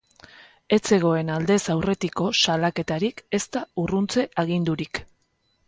Ez zegoen aldez aurretiko salaketarik ezta urruntze agindurik.